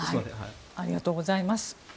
ありがとうございます。